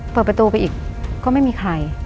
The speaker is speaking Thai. เปิดประตูไปอีกก็ไม่มีใคร